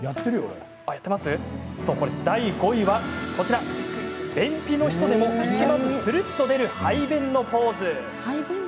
第５位は便秘の人でも息まずするっと出る排便のポーズ。